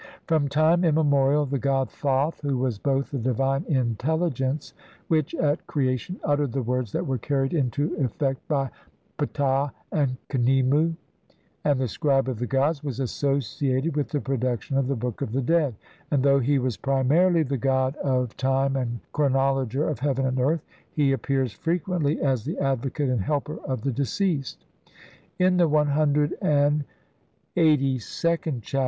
From time immemorial the god Thoth, who was both the divine intelligence which at crea tion uttered the words that were carried into effect by Ptah and Khnemu, and the scribe of the gods, was associated with the production of the Book of the Dead, and, though he was primarily the god of time and chronologer of heaven and earth, he ap pears frequently as the advocate and helper of the deceased. In the CLXXXIInd Chapter (see p.